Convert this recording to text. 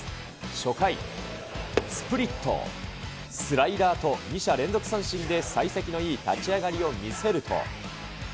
初回、スプリット、スライダーと、２者連続三振でさい先のいい立ち上がりを見せると。